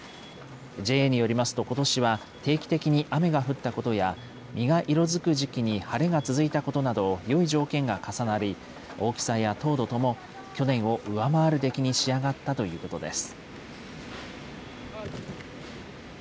ＪＡによりますと、ことしは定期的に雨が降ったことや、実が色づく時期に晴れが続いたことなど、よい条件が重なり、大きさや糖度とも、去年を上回る出来に仕上がったということです。